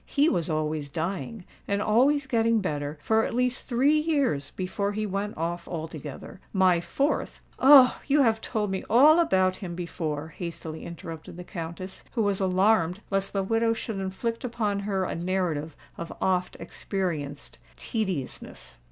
"He was always dying—and always getting better, for at least three years before he went off altogether. My fourth——" "Oh! you have told me all about him before," hastily interrupted the Countess, who was alarmed lest the widow should inflict upon her a narrative of oft experienced tediousness.